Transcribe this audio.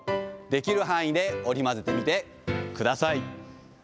できる範囲で織り交ぜてみてください。